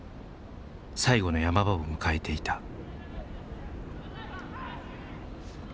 最後の山場を迎えていた。